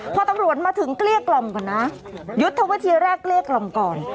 พอตำรวจมาถึงเกลี้ยกล่อมก่อนนะยุทธวิธีแรกเกลี้ยกล่อมก่อน